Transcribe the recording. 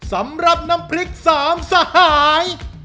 สำหรับน้ำพริกสามสหาย